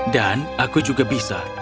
dan aku juga bisa